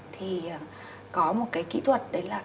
thì có một cái kỹ thuật đấy là